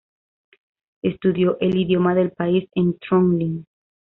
Estudió el idioma del país en Trung-ling.